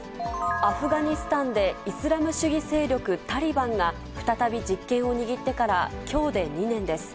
アフガニスタンでイスラム主義勢力タリバンが、再び実権を握ってからきょうで２年です。